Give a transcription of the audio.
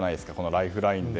ライフラインで。